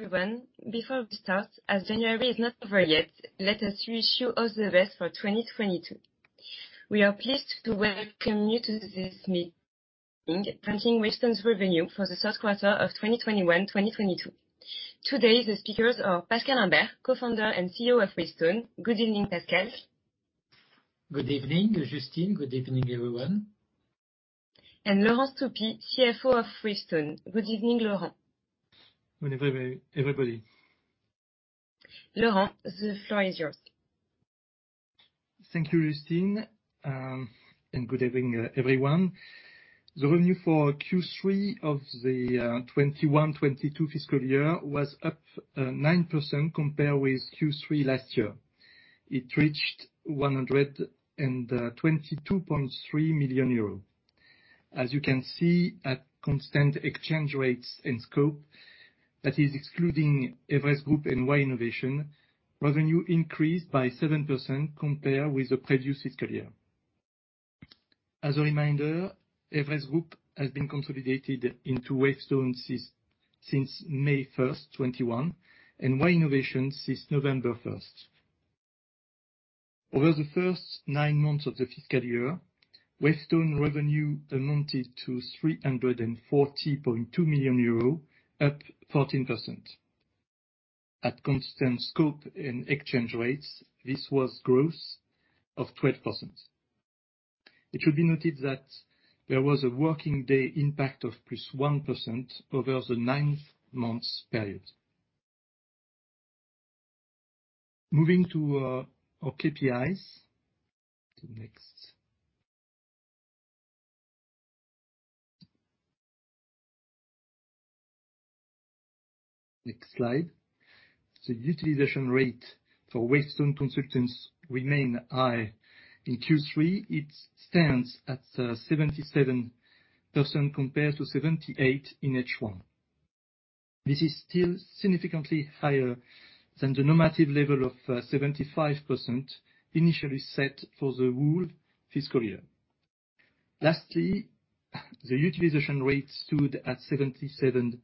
Everyone, before we start, as January is not over yet, let us wish you all the best for 2022. We are pleased to welcome you to this meeting concerning Wavestone's revenue for the third quarter of 2021/2022. Today, the speakers are Pascal Imbert, Co-founder and CEO of Wavestone. Good evening, Pascal. Good evening, Justine. Good evening, everyone. Laurent Stoupy, CFO of Wavestone. Good evening, Laurent. Good evening, everybody. Laurent, the floor is yours. Thank you, Justine, and good evening, everyone. The revenue for Q3 of the 2021/2022 fiscal year was up 9% compared with Q3 last year. It reached 122.3 million euros. As you can see, at constant exchange rates and scope, that is excluding Everest Group and why innovation!, revenue increased by 7% compared with the previous fiscal year. As a reminder, Everest Group has been consolidated into Wavestone since May 1, 2021, and why innovation! since November 1. Over the first nine months of the fiscal year, Wavestone revenue amounted to 340.2 million euros, up 14%. At constant scope and exchange rates, this was growth of 12%. It should be noted that there was a working day impact of +1% over the nine months period. Moving to our KPIs. Next slide. The utilization rate for Wavestone consultants remain high. In Q3, it stands at 77% compared to 78% in H1. This is still significantly higher than the normative level of 75% initially set for the whole fiscal year. Lastly, the utilization rate stood at 77%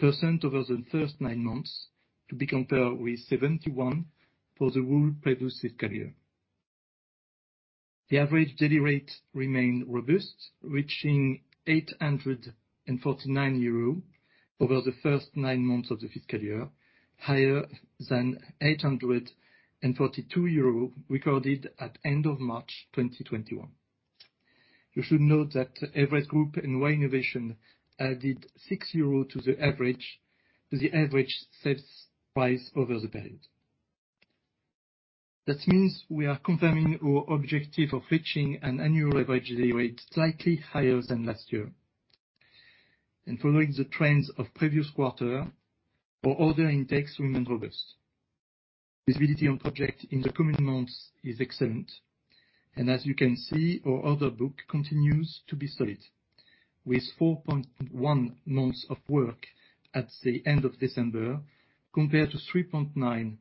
over the first nine months, to be compared with 71% for the whole previous fiscal year. The average daily rate remained robust, reaching 849 euros over the first nine months of the fiscal year, higher than 842 euros recorded at end of March 2021. You should note that Everest Group and why innovation! added 6 euros to the average sales price over the period. That means we are confirming our objective of reaching an annual average daily rate slightly higher than last year. Following the trends of previous quarter, our order intakes remain robust. Visibility on project in the coming months is excellent. As you can see, our order book continues to be solid, with 4.1 months of work at the end of December, compared to 3.93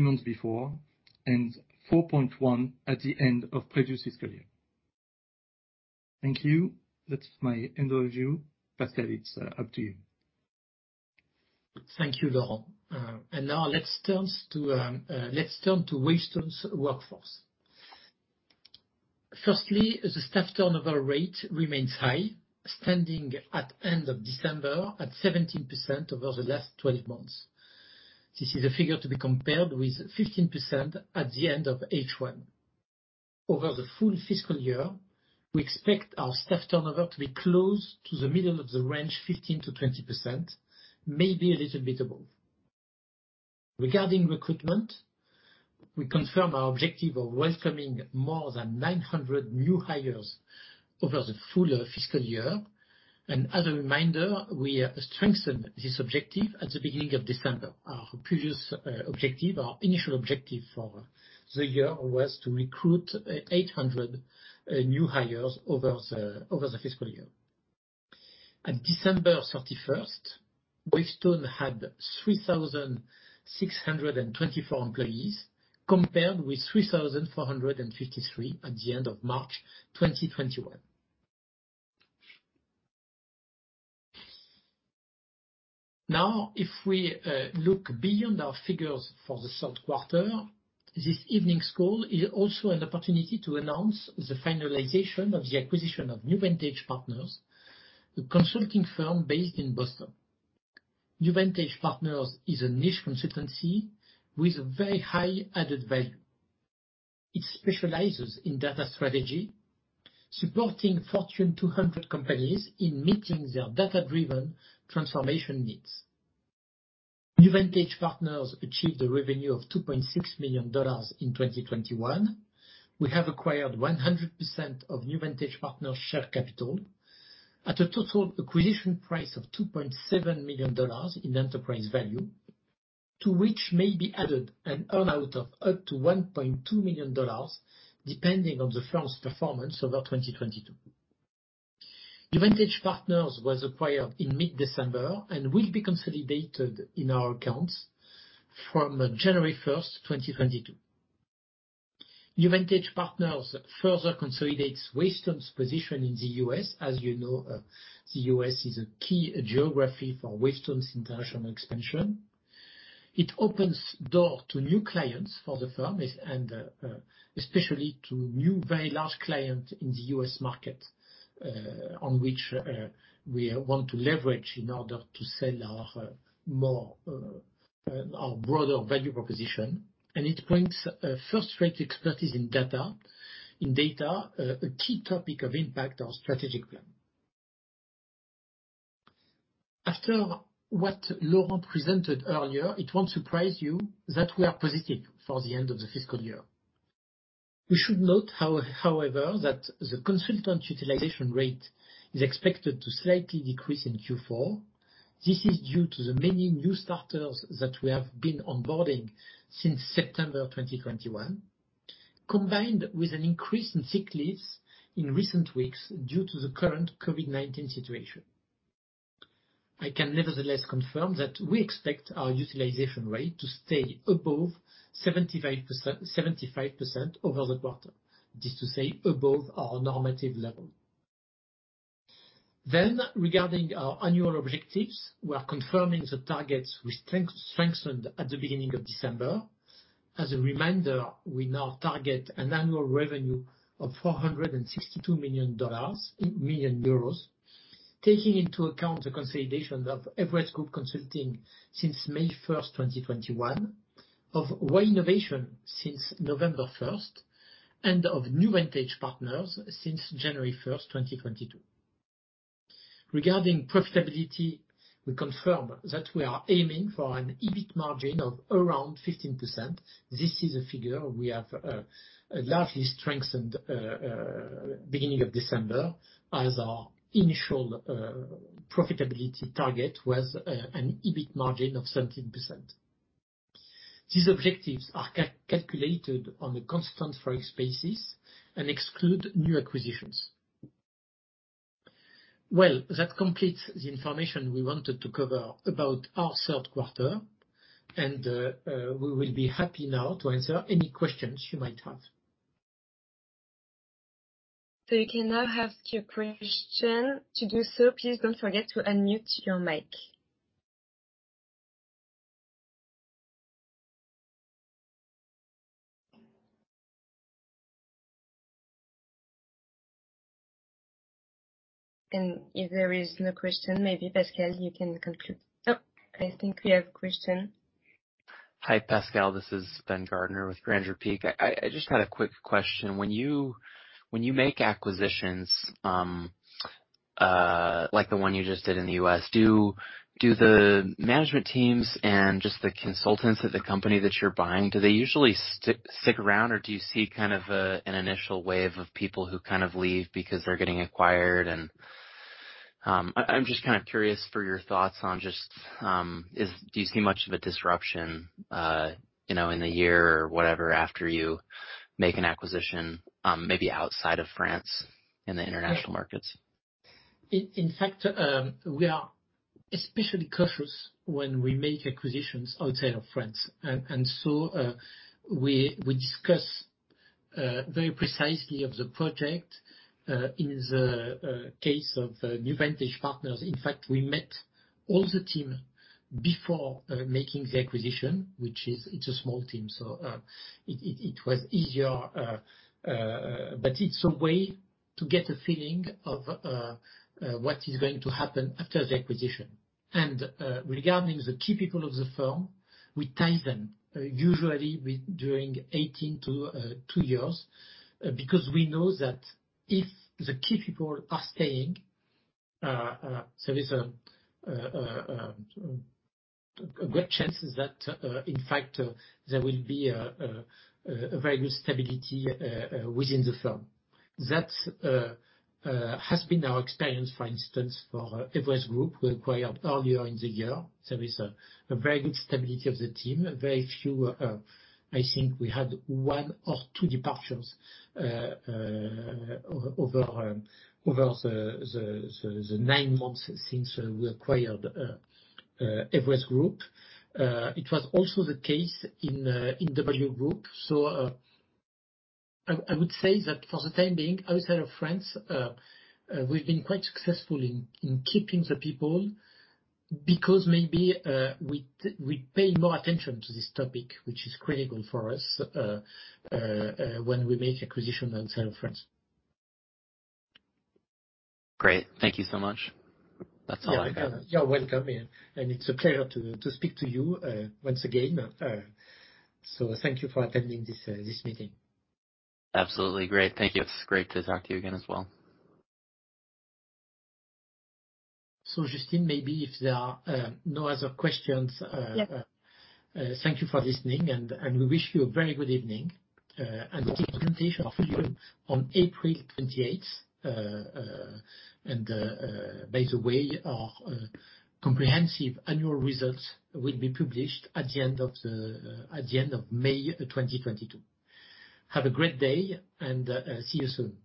months before and 4.1 at the end of previous fiscal year. Thank you. That's the end of my overview. Pascal, it's up to you. Thank you, Laurent. Now let's turn to Wavestone's workforce. Firstly, the staff turnover rate remains high, standing at end of December at 17% over the last 12 months. This is a figure to be compared with 15% at the end of H1. Over the full fiscal year, we expect our staff turnover to be close to the middle of the range, 15%-20%, maybe a little bit above. Regarding recruitment, we confirm our objective of welcoming more than 900 new hires over the full fiscal year. As a reminder, we strengthened this objective at the beginning of December. Our previous objective, our initial objective for the year was to recruit 800 new hires over the fiscal year. At December 31, Wavestone had 3,624 employees, compared with 3,453 at the end of March 2021. Now, if we look beyond our figures for the third quarter, this evening's call is also an opportunity to announce the finalization of the acquisition of NewVantage Partners, a consulting firm based in Boston. NewVantage Partners is a niche consultancy with a very high added value. It specializes in data strategy, supporting Fortune 200 companies in meeting their data-driven transformation needs. NewVantage Partners achieved a revenue of $2.6 million in 2021. We have acquired 100% of NewVantage Partners' share capital at a total acquisition price of $2.7 million in enterprise value, to which may be added an earn out of up to $1.2 million, depending on the firm's performance over 2022. NewVantage Partners was acquired in mid-December and will be consolidated in our accounts from January 1, 2022. NewVantage Partners further consolidates Wavestone's position in the U.S. As you know, the U.S. is a key geography for Wavestone's international expansion. It opens doors to new clients for the firm, especially to new very large clients in the U.S. market, on which we want to leverage in order to sell our broader value proposition. It brings first-rate expertise in data, a key topic of impact on strategic plan. After what Laurent presented earlier, it won't surprise you that we are positive for the end of the fiscal year. We should note however, that the consultant utilization rate is expected to slightly decrease in Q4. This is due to the many new starters that we have been onboarding since September 2021, combined with an increase in sick leaves in recent weeks due to the current COVID-19 situation. I can nevertheless confirm that we expect our utilization rate to stay above 75% over the quarter. That is to say above our normative level. Regarding our annual objectives, we are confirming the targets we strengthened at the beginning of December. As a reminder, we now target an annual revenue of EUR 462 million, taking into account the consolidation of Everest Group Consulting since May 1, 2021, of why innovation! since November 1, and of NewVantage Partners since January 1, 2022. Regarding profitability, we confirm that we are aiming for an EBIT margin of around 15%. This is a figure we have largely strengthened beginning of December, as our initial profitability target was an EBIT margin of 17%. These objectives are calculated on a constant foreign exchange basis and exclude new acquisitions. Well, that completes the information we wanted to cover about our third quarter, and we will be happy now to answer any questions you might have. You can now ask your question. To do so, please don't forget to unmute your mic. If there is no question, maybe, Pascal, you can conclude. Oh, I think we have a question. Hi, Pascal. This is Ben Gardiner with Grandeur Peak. I just had a quick question. When you make acquisitions, like the one you just did in the U.S., do the management teams and just the consultants at the company that you're buying, do they usually stick around, or do you see kind of an initial wave of people who kind of leave because they're getting acquired? I'm just kind of curious for your thoughts on just, do you see much of a disruption, you know, in the year or whatever after you make an acquisition, maybe outside of France in the international markets? In fact, we are especially cautious when we make acquisitions outside of France. We discuss very precisely of the project. In the case of NewVantage Partners, in fact, we met all the team before making the acquisition. It's a small team, so it was easier. But it's a way to get a feeling of what is going to happen after the acquisition. Regarding the key people of the firm, we tie them usually during 18 to two years, because we know that if the key people are staying, there is a great chance that in fact there will be a very good stability within the firm. That has been our experience, for instance, for Everest Group we acquired earlier in the year. There is a very good stability of the team, very few, I think one or two, departures over the nine months since we acquired Everest Group. It was also the case in WGroup. I would say that for the time being, outside of France, we've been quite successful in keeping the people because maybe we pay more attention to this topic, which is critical for us when we make acquisition outside of France. Great. Thank you so much. That's all I got. You're welcome. It's a pleasure to speak to you once again. Thank you for attending this meeting. Absolutely. Great. Thank you. It's great to talk to you again as well. Justine, maybe if there are no other questions. Yeah. Thank you for listening, and we wish you a very good evening, and we take presentation of you on April 28. By the way, our comprehensive annual results will be published at the end of May 2022. Have a great day, and see you soon.